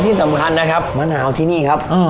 ที่สำคัญนะครับมะนาวที่นี่ครับ